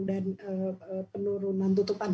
dan penurunan tutupan